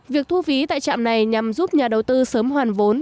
việc thu phí tại trạm này nhằm giúp nhà đầu tư sớm hoàn vốn